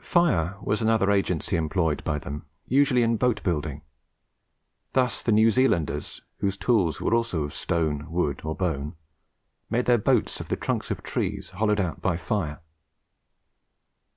Fire was another agency employed by them, usually in boat building. Thus, the New Zealanders, whose tools were also of stone, wood, or bone, made their boats of the trunks of trees hollowed out by fire.